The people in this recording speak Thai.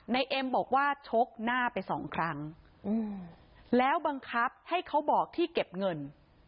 เอ็มบอกว่าชกหน้าไปสองครั้งแล้วบังคับให้เขาบอกที่เก็บเงิน